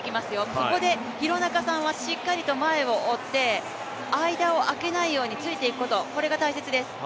ここで廣中さんはしっかりと前を追って、間を空けないようについていくことが大切です。